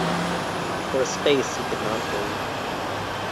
For a space he could not move.